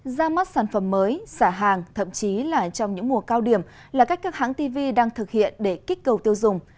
ra mắt sản phẩm mới xả hàng thậm chí là trong những mùa cao điểm là cách các hãng tv đang thực hiện để kích cầu tiêu dùng